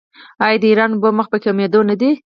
آیا د ایران اوبه مخ په کمیدو نه دي؟